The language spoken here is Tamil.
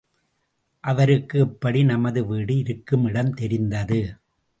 அவருக்கு எப்படி நமது வீடு இருக்குமிடம் தெரிந்தது?